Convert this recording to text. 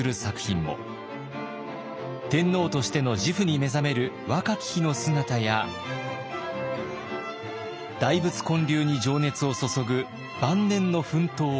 天皇としての自負に目覚める若き日の姿や大仏建立に情熱を注ぐ晩年の奮闘を描いています。